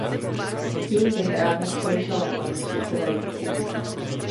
Tím bych ráda skončila, pane předsedající.